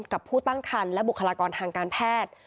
กับผู้ตั้งคันและบุคลากรทางการแพทย์